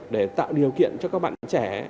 để tạo điều kiện cho các bạn trẻ